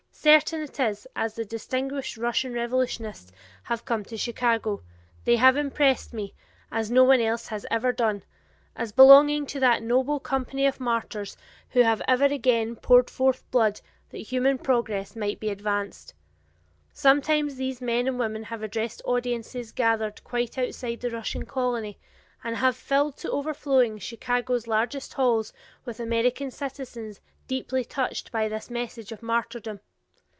Certain it is, as the distinguished Russian revolutionists have come to Chicago, they have impressed me, as no one else ever has done, as belonging to that noble company of martyrs who have ever and again poured forth blood that human progress might be advanced. Sometimes these men and women have addressed audiences gathered quite outside the Russian colony and have filled to overflowing Chicago's largest halls with American citizens deeply touched by this message of martyrdom.